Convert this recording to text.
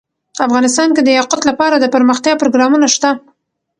افغانستان کې د یاقوت لپاره دپرمختیا پروګرامونه شته.